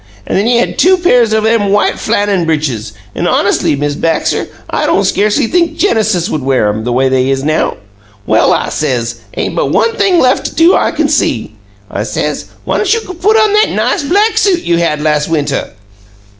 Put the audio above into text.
An' he had two pairs o' them white flannen britches, but hones'ly, Miz Baxter, I don't scarcely think Genesis would wear 'em, the way they is now! 'Well,' I says, 'ain't but one thing lef' to do I can see,' I says. 'Why don't you go put on that nice black suit you had las' winter?'"